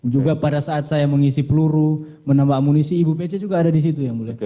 juga pada saat saya mengisi peluru menambah amunisi ibu pece juga ada di situ yang mulia